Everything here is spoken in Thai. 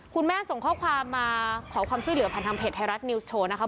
คุณแม่ส่งข้อความมาขอความช่วยเหลือผ่านทางเพจไทยรัฐนิวส์โชว์นะคะ